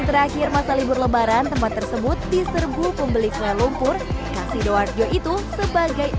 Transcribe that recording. terakhir masa libur lebaran tempat tersebut diserbu pembeli kue lumpur khas sidoarjo itu sebagai